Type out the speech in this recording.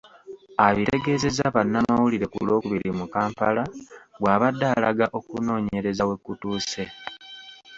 Abitegeezezza bannamawulire ku Lwokubiri mu Kampala bw’abadde alaga okunoonyereza we kutuuse.